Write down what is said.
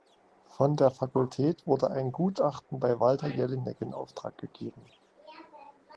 Von der Fakultät wurde ein Gutachten bei Walter Jellinek in Auftrag gegeben.